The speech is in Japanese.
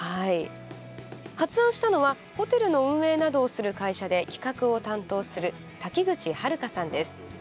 発案したのはホテルの運営などをする会社で企画を担当する滝口遥さんです。